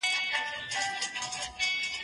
كه ورټكوهي مېخونه